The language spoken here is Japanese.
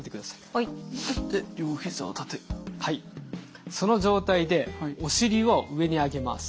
はいその状態でお尻を上に上げます。